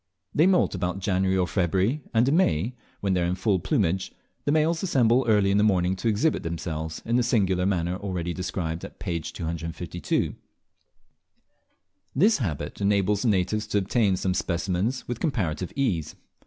They moult about January or February, and in May, when they are in full plumage, the males assemble early in the morning to exhibit themselves in the singular manner already described at p. 252. This habit enables the natives to obtain specimens with comparative ease.